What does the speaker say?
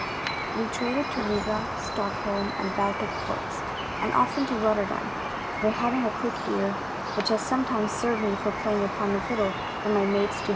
We traded to Riga, Stockholm, and Baltic ports, and often to Rotterdam, where, having a quick ear, which has sometimes served mf^ for playing upon the fiddle for my mates to h 6 1 2 THE DEATH SUIT.